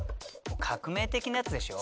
革命的なやつでしょ。